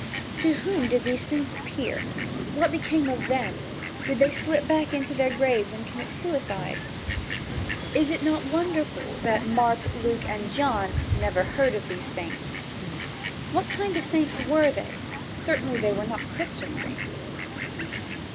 To whom did these saints appear? What became of them? Did they slip back into their graves and commit suicide? Is it not wonderful that Mark, Luke and John never heard of these saints? What kind of saints were they? Certainly they were not Christian saints.